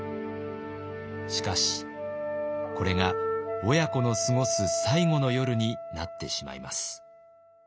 しかしこれが親子の過ごす最後の夜になってしまいます。